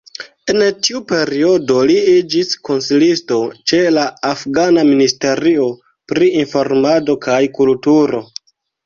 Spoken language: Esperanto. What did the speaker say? En tiu periodo li iĝis konsilisto ĉe la afgana Ministerio pri Informado kaj Kulturo.